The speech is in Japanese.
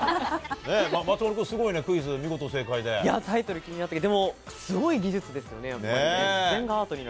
松丸君、すごいね、クイズ、タイトル気になったけど、でも、すごい技術ですよね。